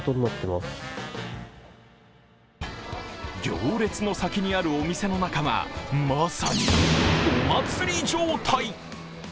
行列の先にあるお店の中はまさにお祭り状態。